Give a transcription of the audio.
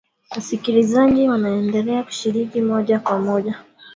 Wasikilizaji waendelea kushiriki moja kwa moja